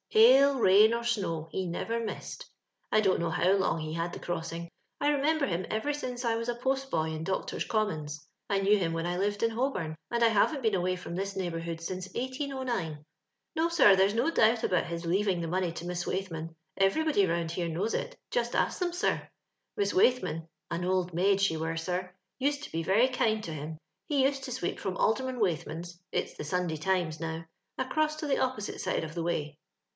Hail, rain, or snow, he never missed. I don't know how long he had the crossing. I remember him ever since I was a postboy in Doctors' Commons ; I knew him when I lived in Hol bom, and I haven't been away from this neigh bourhood since 1809. ^ No, sir, there's no doubt about his leaving the money to Miss Waithman. Everybody round about here knows it; just ask them, sir. Miss Waithman (on old maid she were, sir) used to be very kind to him. He used to sweep from Alderman Waithman's (it's the Sunday Tlmt» now) across to the opposite side of the way.